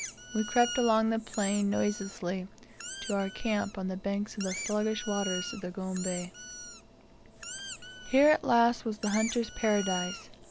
We crept along the plain noiselessly to our camp on the banks of the sluggish waters of the Gombe. Here at last was the hunter's Paradise!